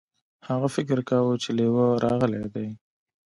هغه فکر کاوه چې لیوه راغلی دی.